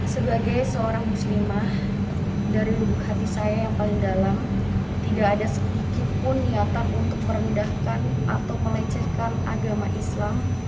sebagai seorang muslimah dari lubuk hati saya yang paling dalam tidak ada sedikitpun niatan untuk merendahkan atau melecehkan agama islam